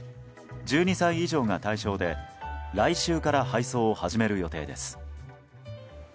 １２歳以上が対象で来週から配送を始める予定です。